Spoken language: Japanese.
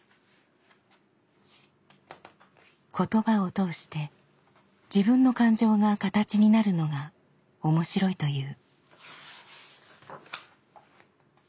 言葉を通して自分の感情が形になるのが面白いという。